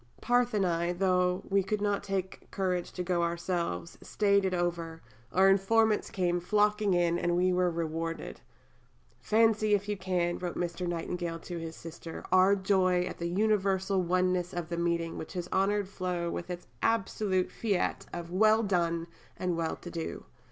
Parthe and I, though we could not take courage to go ourselves, staid it over; our informants came flocking in, and we were rewarded." "Fancy if you can," wrote Mr. Nightingale to his sister, "our joy at the universal oneness of the meeting which has honoured Flo with its absolute fiat of 'Well done' and well to do.